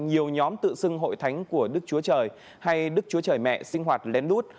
nhiều nhóm tự xưng hội thánh của đức chúa trời hay đức chúa trời mẹ sinh hoạt lén lút